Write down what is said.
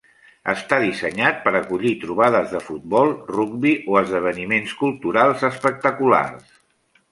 Està dissenyat per acollir trobades de futbol, rugbi o esdeveniments culturals espectaculars.